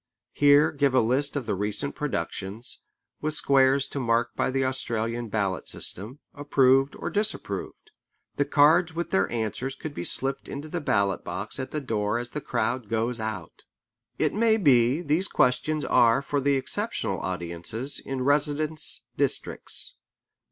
Here give a list of the recent productions, with squares to mark by the Australian ballot system: approved or disapproved. The cards with their answers could be slipped into the ballot box at the door as the crowd goes out. It may be these questions are for the exceptional audiences in residence districts.